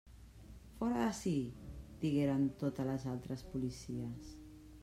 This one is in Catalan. Fora d'ací! —digueren totes les altres policies—.